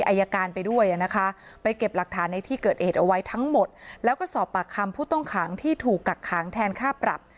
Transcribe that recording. อายการไปด้วยนะคะไปเก็บหลักฐานในที่เกิดเหตุเอาไว้ทั้งหมดแล้วก็สอบปากคำผู้ต้องขังที่ถูกกักขังแทนค่าปรับ